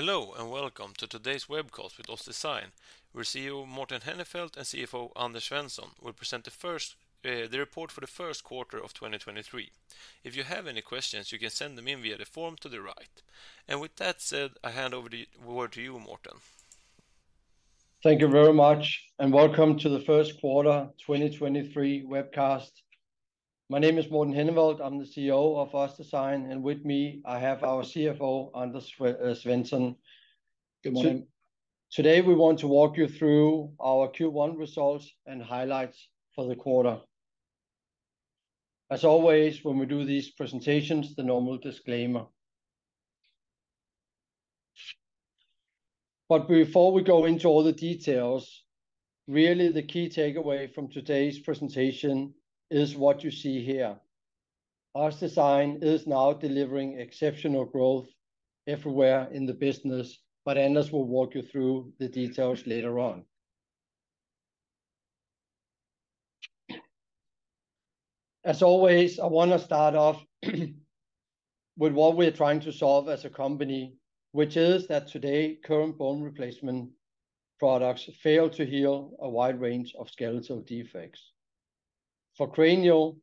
Welcome to today's webcast with OssDsign, where CEO Morten Henneveld and CFO Anders Svensson will present the report for the first quarter of 2023. If you have any questions, you can send them in via the form to the right. With that said, I hand over the word to you, Morten. Thank you very much, welcome to the first quarter 2023 webcast. My name is Morten Henneveld, I'm the CEO of OssDsign, and with me I have our CFO, Anders Svensson. Good morning. Today we want to walk you through our Q1 results and highlights for the quarter. As always, when we do these presentations, the normal disclaimer. Before we go into all the details, really the key takeaway from today's presentation is what you see here. OssDsign is now delivering exceptional growth everywhere in the business, Anders will walk you through the details later on. As always, I want to start off with what we're trying to solve as a company, which is that today, current bone replacement products fail to heal a wide range of skeletal defects. For cranial,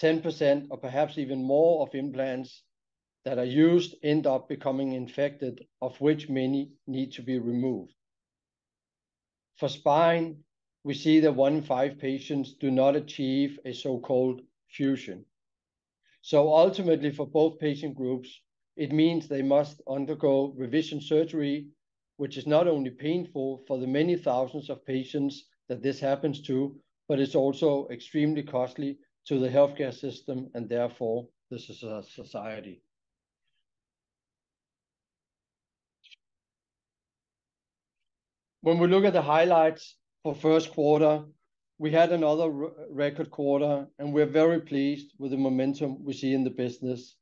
10% or perhaps even more of implants that are used end up becoming infected, of which many need to be removed. For spine, we see that one in five patients do not achieve a so-called fusion. Ultimately for both patient groups, it means they must undergo revision surgery, which is not only painful for the many thousands of patients that this happens to, but it's also extremely costly to the healthcare system, and therefore the society. When we look at the highlights for first quarter, we had another record quarter, and we're very pleased with the momentum we see in the business.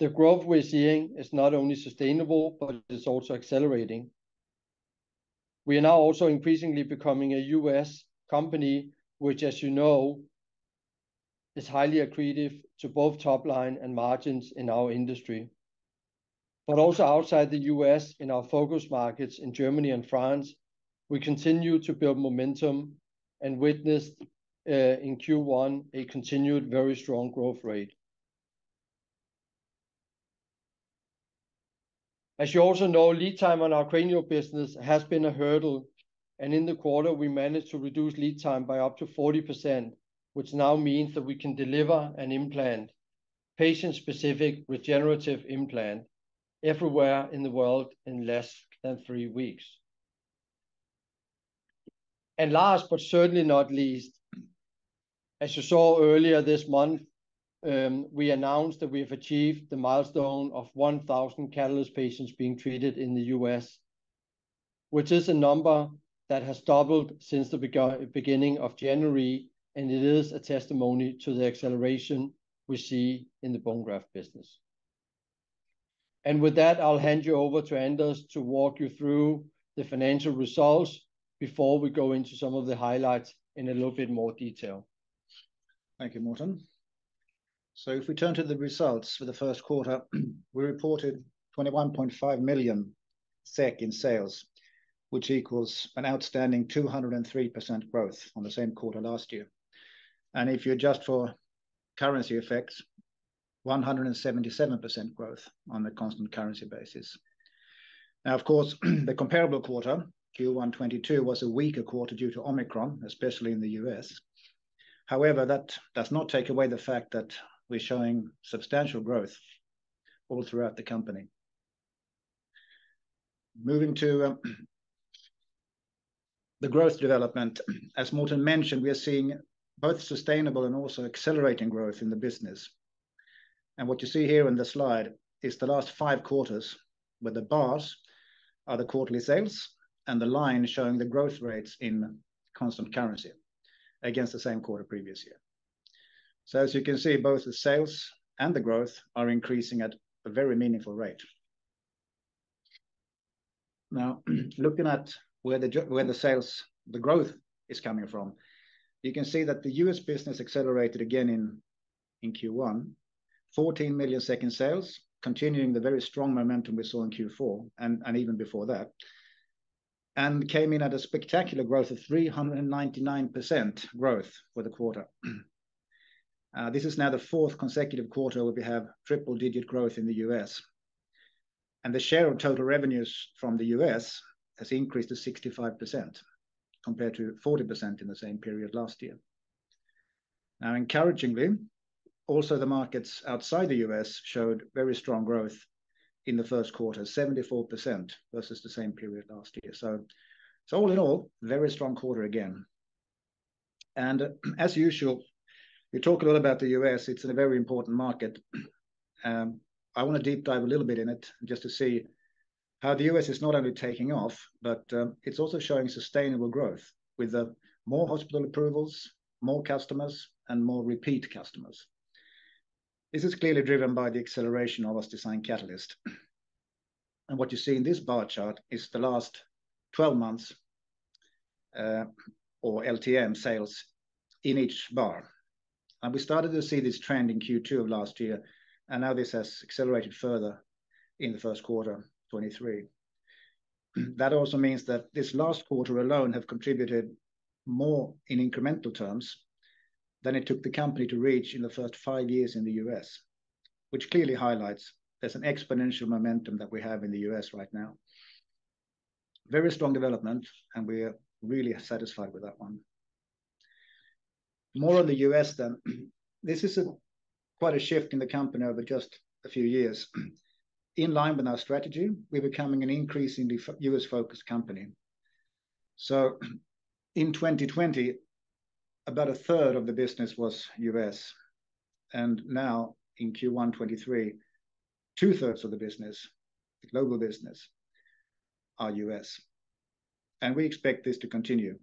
The growth we're seeing is not only sustainable, but it's also accelerating. We are now also increasingly becoming a U.S. company, which, as you know, is highly accretive to both top line and margins in our industry. Also outside the U.S. in our focus markets in Germany and France, we continue to build momentum and witnessed in Q1, a continued very strong growth rate. As you also know, lead time on our cranial business has been a hurdle. In the quarter we managed to reduce lead time by up to 40%, which now means that we can deliver an implant, patient-specific regenerative implant, everywhere in the world in less than three weeks. Last, but certainly not least, as you saw earlier this month, we announced that we have achieved the milestone of 1,000 OssDsign Catalyst patients being treated in the U.S., which is a number that has doubled since the beginning of January, and it is a testimony to the acceleration we see in the bone graft business. With that, I'll hand you over to Anders to walk you through the financial results before we go into some of the highlights in a little bit more detail. Thank you, Morten. If we turn to the results for the first quarter, we reported 21.5 million SEK in sales, which equals an outstanding 203% growth on the same quarter last year. If you adjust for currency effects, 177% growth on a constant currency basis. Of course, the comparable quarter, Q1 2022, was a weaker quarter due to Omicron, especially in the U.S. However, that does not take away the fact that we're showing substantial growth all throughout the company. Moving to the growth development, as Morten mentioned, we are seeing both sustainable and also accelerating growth in the business. What you see here in the slide is the last five quarters, where the bars are the quarterly sales and the line showing the growth rates in constant currency against the same quarter previous year. As you can see, both the sales and the growth are increasing at a very meaningful rate. Now looking at where the sales, the growth is coming from, you can see that the U.S. business accelerated again in Q1. 14 million SEK sales, continuing the very strong momentum we saw in Q4 and even before that, and came in at a spectacular growth of 399% growth for the quarter. This is now the fourth consecutive quarter where we have triple-digit growth in the U.S. The share of total revenues from the U.S. has increased to 65%, compared to 40% in the same period last year. Now encouragingly, also the markets outside the U.S. showed very strong growth in the first quarter, 74% versus the same period last year. All in all, very strong quarter again. As usual, we talk a lot about the U.S., it's a very important market. I want to deep dive a little bit in it just to see how the U.S. is not only taking off, but it's also showing sustainable growth with more hospital approvals, more customers and more repeat customers. This is clearly driven by the acceleration of OssDsign Catalyst. What you see in this bar chart is the last 12 months or LTM sales in each bar. We started to see this trend in Q2 of last year, now this has accelerated further in the first quarter 2023. That also means that this last quarter alone have contributed more in incremental terms than it took the company to reach in the first five years in U.S., which clearly highlights there's an exponential momentum that we have in the U.S. right now. Very strong development, we're really satisfied with that one. More on the U.S. This is a quite a shift in the company over just a few years. In line with our strategy, we're becoming an increasing DE U.S.-focused company. In 2020, about a third of the business was U.S., now in Q1 2023, two-thirds of the business, the global business, are U.S., we expect this to continue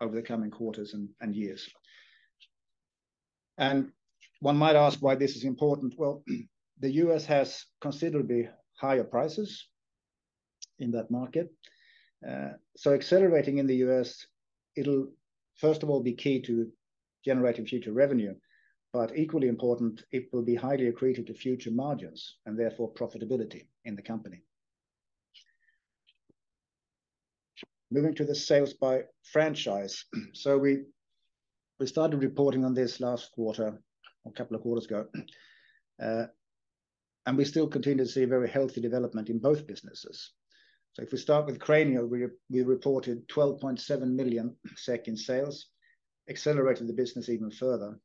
over the coming quarters and years. One might ask why this is important. Well, the U.S. has considerably higher prices in that market. Accelerating in the U.S., it'll, first of all, be key to generating future revenue, but equally important, it will be highly accretive to future margins and therefore profitability in the company. Moving to the sales by franchise. We started reporting on this last quarter, or a couple of quarters ago, we still continue to see very healthy development in both businesses. If we start with Cranial, we reported 12.7 million SEK in sales, accelerating the business even further.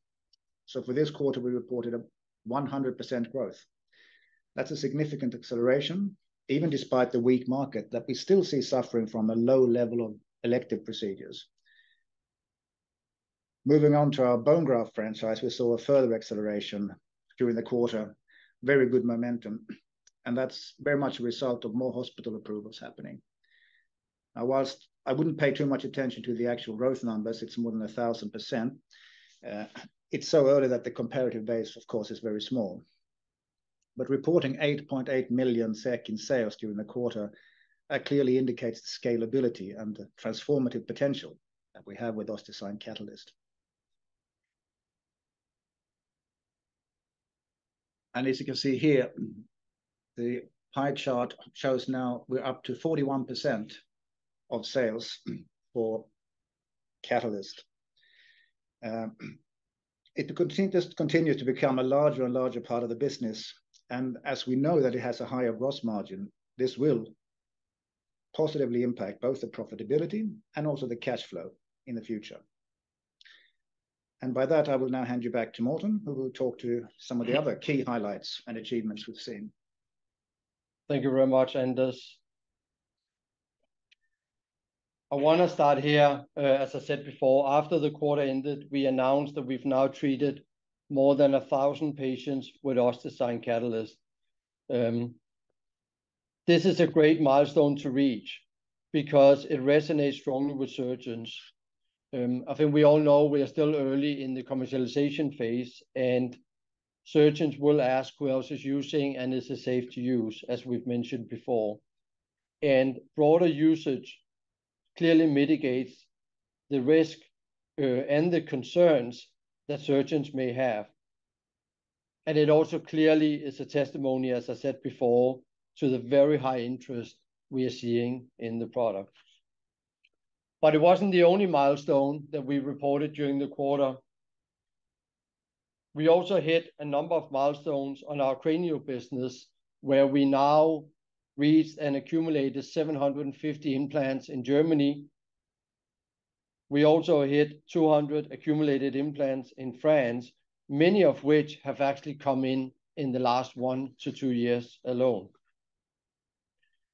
For this quarter, we reported a 100% growth. That's a significant acceleration, even despite the weak market that we still see suffering from a low level of elective procedures. Moving on to our bone graft franchise, we saw a further acceleration during the quarter. Very good momentum. That's very much a result of more hospital approvals happening. While I wouldn't pay too much attention to the actual growth numbers, it's more than 1,000%, it's so early that the comparative base, of course, is very small. Reporting 8.8 million SEK in sales during the quarter, clearly indicates the scalability and the transformative potential that we have with OssDsign Catalyst. As you can see here, the pie chart shows now we're up to 41% of sales for Catalyst. It just continues to become a larger and larger part of the business, as we know that it has a higher gross margin, this will positively impact both the profitability and also the cash flow in the future. By that, I will now hand you back to Morten, who will talk to some of the other key highlights and achievements we've seen. Thank you very much, Anders. I wanna start here, as I said before, after the quarter ended, we announced that we've now treated more than 1,000 patients with OssDsign Catalyst. This is a great milestone to reach because it resonates strongly with surgeons. I think we all know we are still early in the commercialization phase, and surgeons will ask who else is using and is it safe to use, as we've mentioned before. Broader usage clearly mitigates the risk and the concerns that surgeons may have. It also clearly is a testimony, as I said before, to the very high interest we are seeing in the product. It wasn't the only milestone that we reported during the quarter. We also hit a number of milestones on our Cranial business, where we now reached and accumulated 750 implants in Germany. We also hit 200 accumulated implants in France, many of which have actually come in in the last one-two years alone.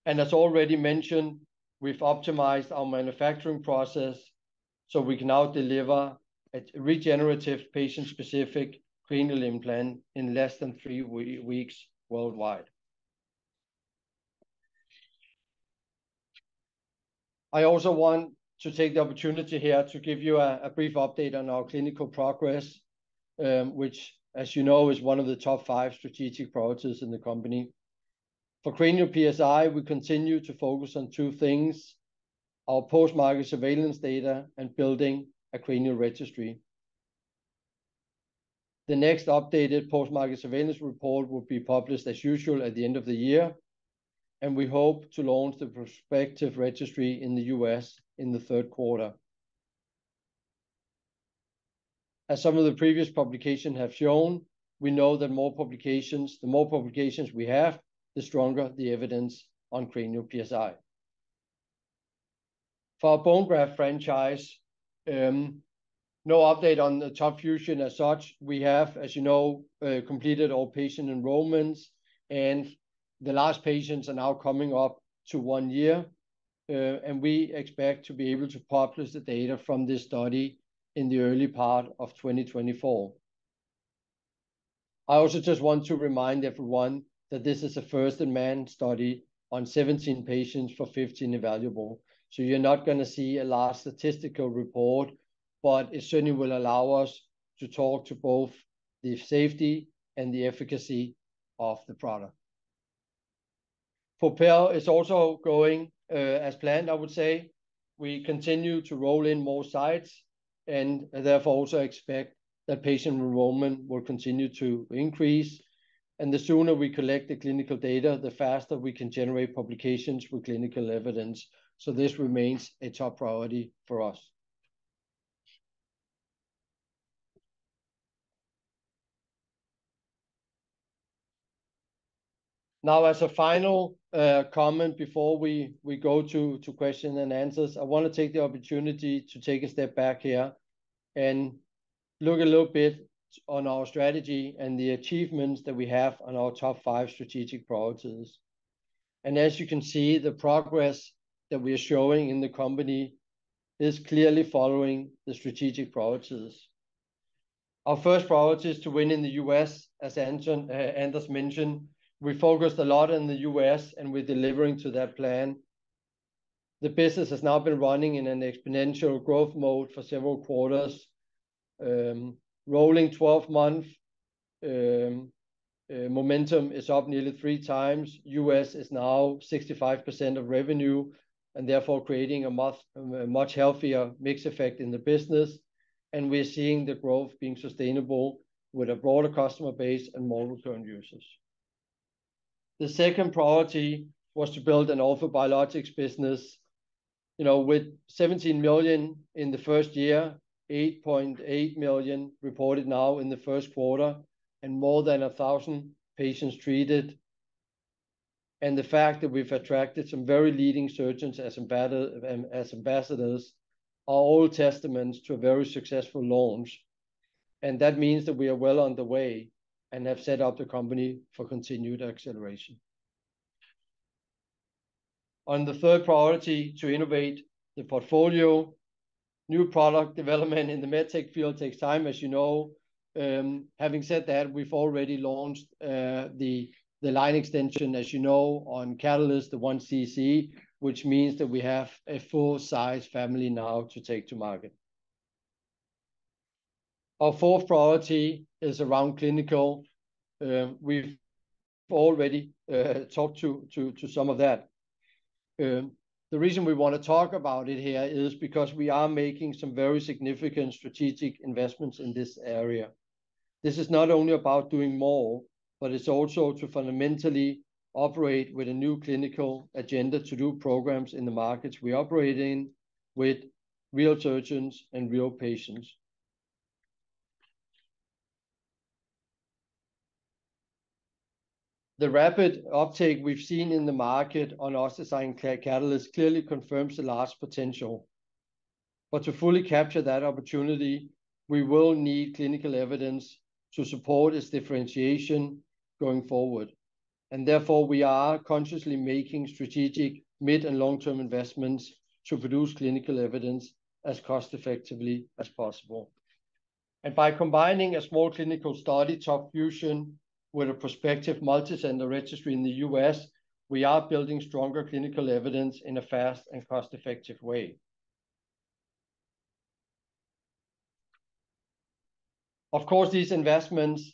As already mentioned, we've optimized our manufacturing process, so we can now deliver a regenerative patient-specific cranial implant in less than three weeks worldwide. I also want to take the opportunity here to give you a brief update on our clinical progress, which, as you know, is one of the top five strategic priorities in the company. For Cranial PSI, we continue to focus on two things, our post-market surveillance data and building a cranial registry. The next updated post-market surveillance report will be published as usual at the end of the year, we hope to launch the prospective registry in the U.S. in the third quarter. As some of the previous publication have shown, we know that the more publications we have, the stronger the evidence on Cranial PSI. For our bone graft franchise, no update on the TOP FUSION as such. We have, as you know, completed all patient enrollments, the last patients are now coming up to one year, we expect to be able to publish the data from this study in the early part of 2024. I also just want to remind everyone that this is a first-in-human study on 17 patients for 50 evaluable. You're not gonna see a large statistical report, but it certainly will allow us to talk to both the safety and the efficacy of the product. PROPEL is also going as planned, I would say. We continue to roll in more sites and therefore also expect that patient enrollment will continue to increase. The sooner we collect the clinical data, the faster we can generate publications with clinical evidence. This remains a top priority for us. Now, as a final comment before we go to question and answers, I wanna take the opportunity to take a step back here and look a little bit on our strategy and the achievements that we have on our top five strategic priorities. As you can see, the progress that we are showing in the company is clearly following the strategic priorities. Our first priority is to win in the U.S., as Anders mentioned. We focused a lot in the U.S., and we're delivering to that plan. The business has now been running in an exponential growth mode for several quarters. Rolling 12-month momentum is up nearly three times. U.S. is now 65% of revenue, and therefore creating a much healthier mix effect in the business. We're seeing the growth being sustainable with a broader customer base and more return users. The second priority was to build an orthobiologics business. You know, with 17 million in the first year, 8.8 million reported now in the first quarter, and more than 1,000 patients treated, and the fact that we've attracted some very leading surgeons as ambassadors are all testaments to a very successful launch. That means that we are well on the way and have set up the company for continued acceleration. On the third priority, to innovate the portfolio, new product development in the med tech field takes time, as you know. Having said that, we've already launched the line extension, as you know, on Catalyst, the 1cc, which means that we have a full-size family now to take to market. Our fourth priority is around clinical. We've already talked to some of that. The reason we wanna talk about it here is because we are making some very significant strategic investments in this area. This is not only about doing more, but it's also to fundamentally operate with a new clinical agenda to do programs in the markets we operate in with real surgeons and real patients. The rapid uptake we've seen in the market on OssDsign Catalyst clearly confirms the large potential. To fully capture that opportunity, we will need clinical evidence to support its differentiation going forward. Therefore, we are consciously making strategic mid and long-term investments to produce clinical evidence as cost effectively as possible. By combining a small clinical study, TOP FUSION, with a prospective multicenter registry in the U.S., we are building stronger clinical evidence in a fast and cost-effective way. Of course, these investments,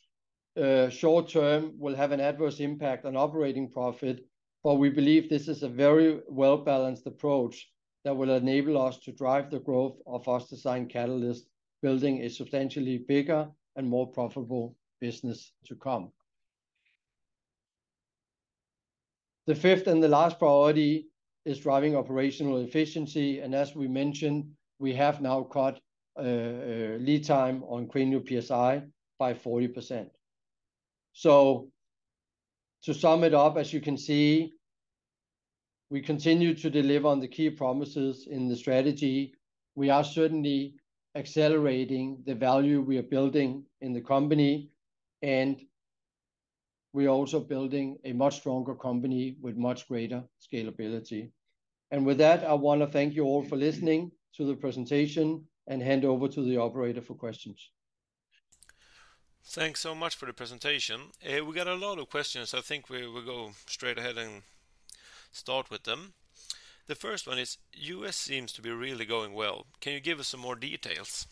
short term will have an adverse impact on operating profit, but we believe this is a very well-balanced approach that will enable us to drive the growth of OssDsign Catalyst, building a substantially bigger and more profitable business to come. The fifth and the last priority is driving operational efficiency, and as we mentioned, we have now cut lead time on OssDsign Cranial PSI by 40%. To sum it up, as you can see, we continue to deliver on the key promises in the strategy. We are certainly accelerating the value we are building in the company, and we're also building a much stronger company with much greater scalability. With that, I wanna thank you all for listening to the presentation and hand over to the operator for questions. Thanks so much for the presentation. We got a lot of questions. I think we'll go straight ahead. Start with them. The first one is, U.S. seems to be really going well. Can you give us some more details?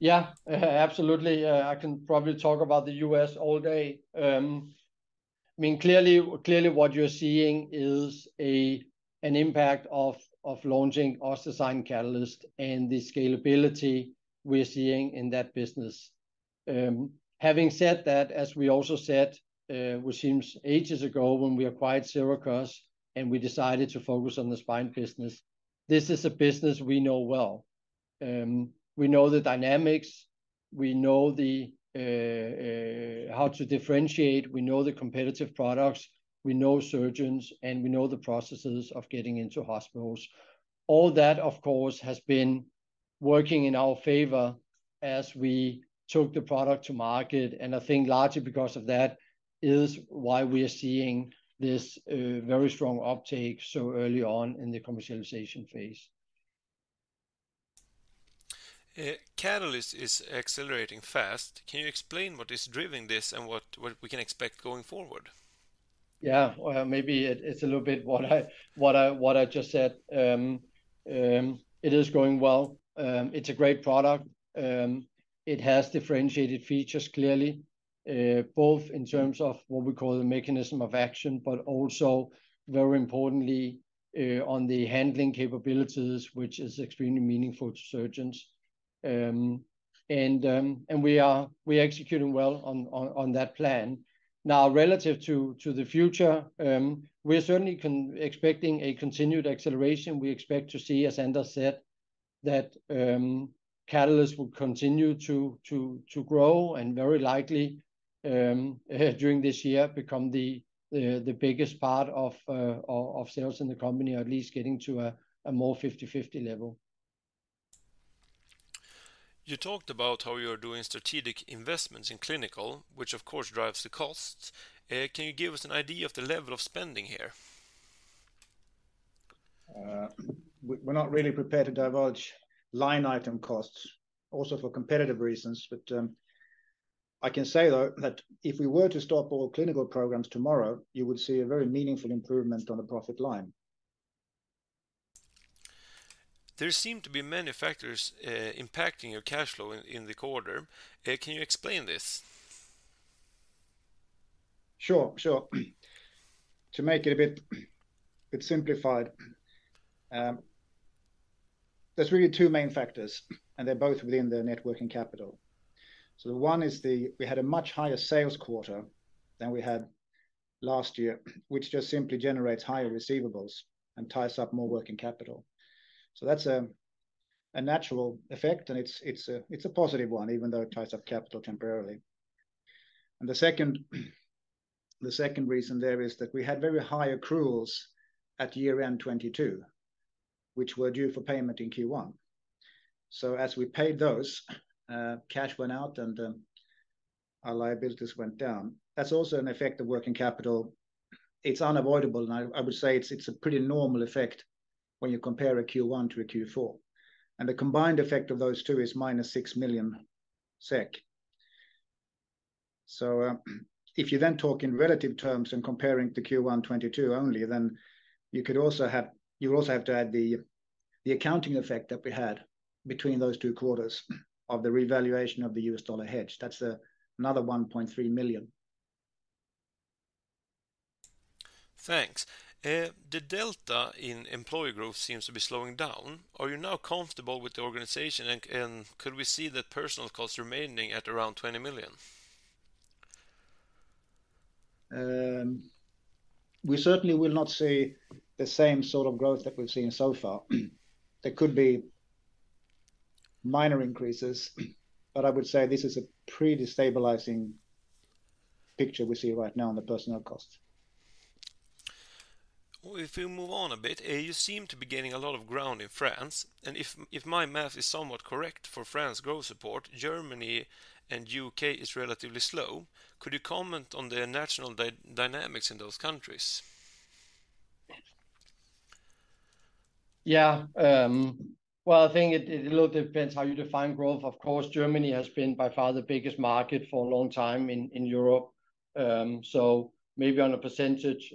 Yeah. Absolutely. I can probably talk about the U.S. all day. I mean, clearly what you're seeing is an impact of launching OssDsign Catalyst and the scalability we're seeing in that business. Having said that, as we also said, which seems ages ago when we acquired Sirakoss and we decided to focus on the spine business, this is a business we know well. We know the dynamics, we know how to differentiate, we know the competitive products, we know surgeons, and we know the processes of getting into hospitals. All that, of course, has been working in our favor as we took the product to market. I think largely because of that is why we are seeing this very strong uptake so early on in the commercialization phase. Catalyst is accelerating fast. Can you explain what is driving this and what we can expect going forward? Yeah. Well, maybe it's a little bit what I just said. It is going well. It's a great product. It has differentiated features clearly, both in terms of what we call the mechanism of action, but also very importantly, on the handling capabilities, which is extremely meaningful to surgeons. We're executing well on that plan. Now, relative to the future, we are certainly expecting a continued acceleration. We expect to see, as Anders said, that Catalyst will continue to grow and very likely during this year become the biggest part of sales in the company or at least getting to a more 50-50 level. You talked about how you're doing strategic investments in clinical, which of course drives the costs. Can you give us an idea of the level of spending here? We're not really prepared to divulge line item costs also for competitive reasons. I can say though that if we were to stop all clinical programs tomorrow, you would see a very meaningful improvement on the profit line. There seem to be many factors, impacting your cash flow in the quarter. Can you explain this? Sure. Sure. To make it a bit simplified, there's really two main factors, and they're both within the net working capital. One is the, we had a much higher sales quarter than we had last year, which just simply generates higher receivables and ties up more working capital. That's a natural effect, and it's a positive one, even though it ties up capital temporarily. The second reason there is that we had very high accruals at year-end 2022, which were due for payment in Q1. As we paid those, cash went out and our liabilities went down. That's also an effect of working capital. It's unavoidable, and I would say it's a pretty normal effect when you compare a Q1 to a Q4, and the combined effect of those two is minus 6 million SEK. If you then talk in relative terms and comparing to Q1 2022 only, then you also have to add the accounting effect that we had between those two quarters of the revaluation of the U.S. dollar hedge. That's another 1.3 million. Thanks. The delta in employee growth seems to be slowing down. Are you now comfortable with the organization, and could we see the personal costs remaining at around 20 million? We certainly will not see the same sort of growth that we've seen so far. There could be minor increases. I would say this is a pretty stabilizing picture we see right now on the personnel costs. Well, if we move on a bit, you seem to be gaining a lot of ground in France, and if my math is somewhat correct for France growth support, Germany and U.K. is relatively slow. Could you comment on the national dynamics in those countries? Yeah. Well, I think it a little depends how you define growth. Of course, Germany has been by far the biggest market for a long time in Europe. Maybe on a percentage,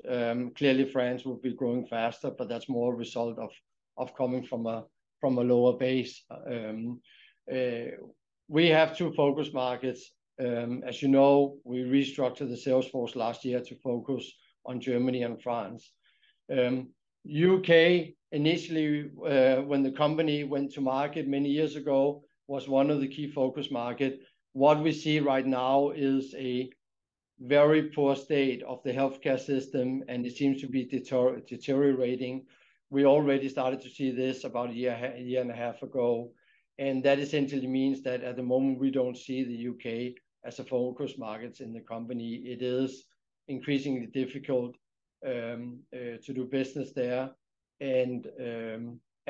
clearly France will be growing faster, but that's more a result of coming from a lower base. We have two focus markets. As you know, we restructured the sales force last year to focus on Germany and France. U.K. initially, when the company went to market many years ago, was one of the key focus market. What we see right now is a very poor state of the healthcare system, and it seems to be deteriorating. We already started to see this about a year, a year and a half ago. That essentially means that at the moment we don't see the U.K. as a focus markets in the company. It is increasingly difficult to do business there.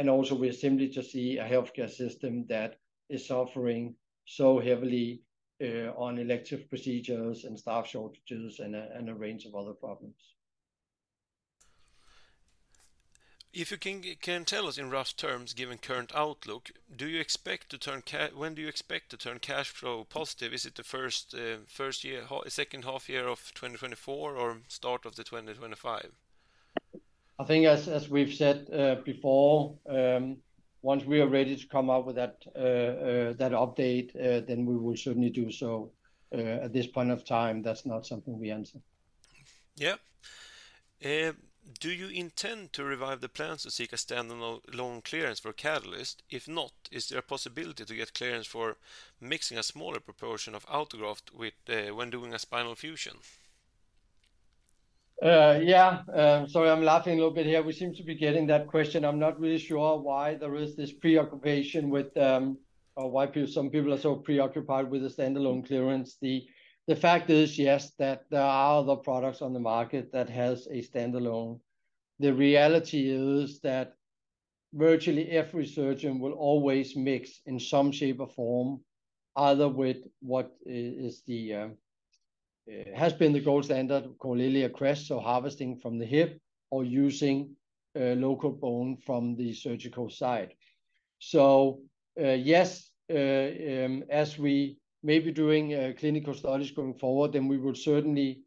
Also we're simply to see a healthcare system that is suffering so heavily on elective procedures and staff shortages and a range of other problems. If you can tell us in rough terms, given current outlook, when do you expect to turn cash flow positive? Is it the first year, second half year of 2024 or start of 2025? I think as we've said, before, once we are ready to come up with that update, we will certainly do so. At this point of time, that's not something we answer. Do you intend to revive the plans to seek a standalone clearance for Catalyst? If not, is there a possibility to get clearance for mixing a smaller proportion of autograft with when doing a spinal fusion? Yeah. Sorry, I'm laughing a little bit here. We seem to be getting that question. I'm not really sure why there is this preoccupation with, or why some people are so preoccupied with the standalone clearance. The fact is, yes, that there are other products on the market that has a standalone. The reality is that virtually every surgeon will always mix in some shape or form, either with what is the, has been the gold standard, iliac crest, so harvesting from the hip or using local bone from the surgical site. Yes, as we may be doing clinical studies going forward, then we would certainly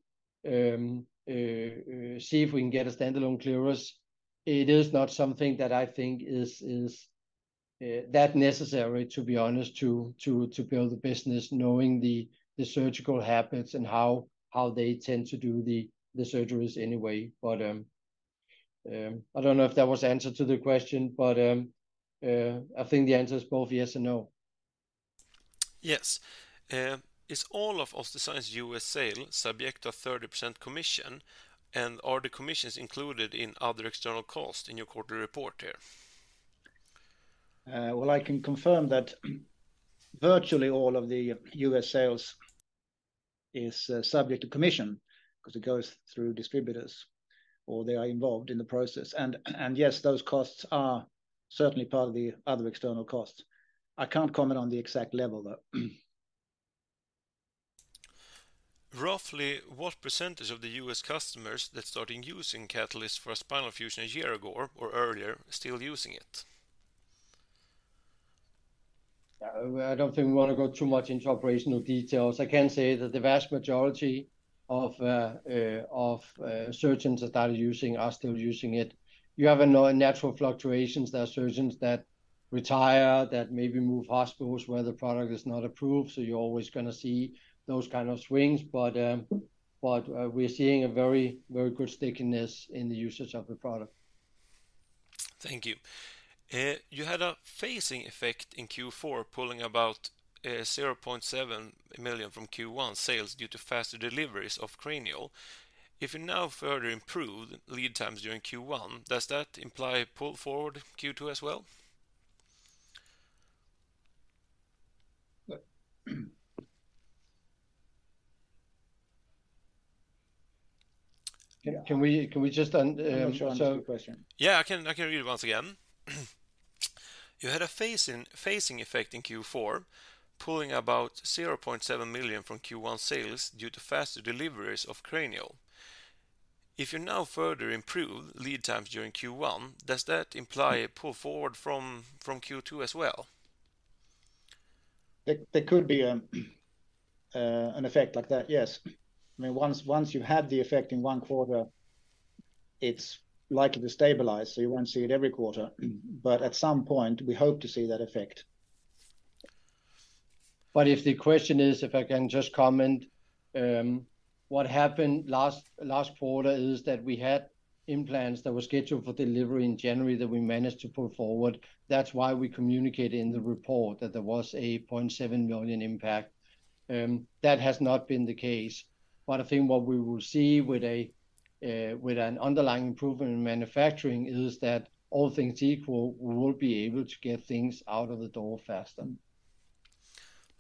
see if we can get a standalone clearance. It is not something that I think is that necessary, to be honest, to build the business knowing the surgical habits and how they tend to do the surgeries anyway. I don't know if that was the answer to the question, I think the answer is both yes and no. Yes. Is all of OssDsign U.S. sale subject to a 30% commission, and are the commissions included in other external costs in your quarterly report here? Well, I can confirm that virtually all of the U.S. sales is subject to commission 'cause it goes through distributors, or they are involved in the process. Yes, those costs are certainly part of the other external costs. I can't comment on the exact level, though. Roughly what percentage of the U.S. customers that started using Catalyst for a spinal fusion a year ago or earlier are still using it? Well, I don't think we want to go too much into operational details. I can say that the vast majority of surgeons that started using are still using it. You have natural fluctuations. There are surgeons that retire, that maybe move hospitals where the product is not approved, so you're always gonna see those kind of swings. We're seeing a very, very good stickiness in the usage of the product. Thank you. You had a phasing effect in Q4, pulling about, 0.7 million from Q1 sales due to faster deliveries of cranial. If you now further improve lead times during Q1, does that imply pull forward Q2 as well? Can we just? I'm not sure I understand the question. Yeah, I can read it once again. You had a phasing effect in Q4, pulling about 0.7 million from Q1 sales due to faster deliveries of cranial. If you now further improve lead times during Q1, does that imply a pull forward from Q2 as well? There could be an effect like that, yes. I mean, once you've had the effect in one quarter, it's likely to stabilize, so you won't see it every quarter. At some point, we hope to see that effect. If the question is, if I can just comment, what happened last quarter is that we had implants that were scheduled for delivery in January that we managed to pull forward. That's why we communicated in the report that there was a 0.7 million impact. That has not been the case. I think what we will see with an underlying improvement in manufacturing is that all things equal, we will be able to get things out of the door faster.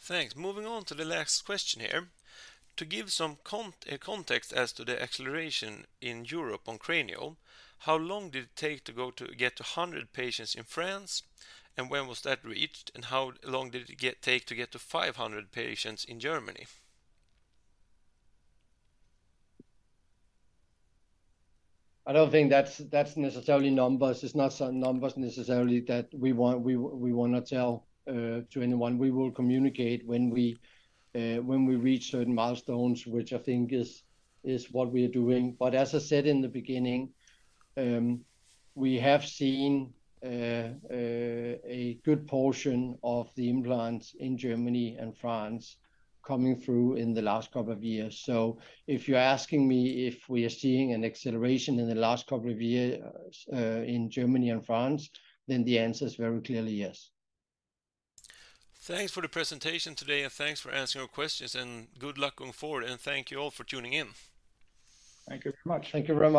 Thanks. Moving on to the last question here. To give some context as to the acceleration in Europe on cranial, how long did it take to get to 100 patients in France, and when was that reached, and how long did it take to get to 500 patients in Germany? I don't think that's necessarily numbers. It's not so numbers necessarily that we want, we wanna tell to anyone. We will communicate when we reach certain milestones, which I think is what we are doing. As I said in the beginning, we have seen a good portion of the implants in Germany and France coming through in the last couple of years. If you're asking me if we are seeing an acceleration in the last couple of years, in Germany and France, the answer is very clearly yes. Thanks for the presentation today, and thanks for answering our questions. Good luck going forward. Thank you all for tuning in. Thank you very much. Thank you very much.